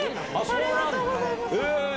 ありがとうございます！